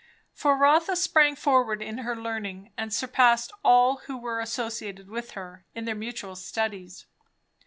For Rotha sprang forward in her learning and surpassed all who were associated with her, in their mutual studies.